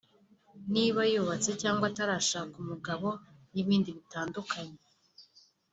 niba yubatse cyangwa atarashaka umugabo n'ibindi bitandukanye